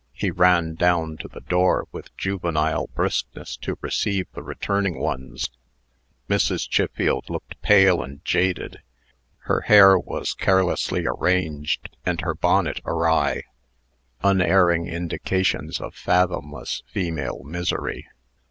He ran down to the door with juvenile briskness to receive the returning ones. Mrs. Chiffield looked pale and jaded. Her hair was carelessly arranged, and her bonnet awry unerring indications of fathomless female misery.